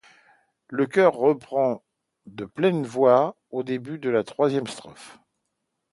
Le chœur reprend de pleine voix au début de la troisième strophe.